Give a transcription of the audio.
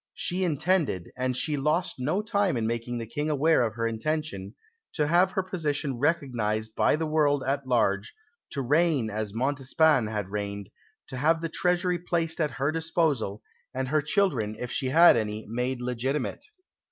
She intended and she lost no time in making the King aware of her intention to have her position recognised by the world at large, to reign as Montespan had reigned, to have the Treasury placed at her disposal, and her children, if she had any, made legitimate.